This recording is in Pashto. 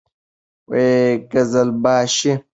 قـــزلــباشــــــــــي